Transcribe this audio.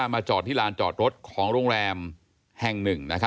มาจอดที่ลานจอดรถของโรงแรมแห่งหนึ่ง